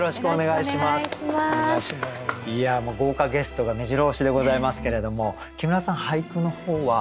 いやもう豪華ゲストがめじろ押しでございますけれども木村さん俳句の方は？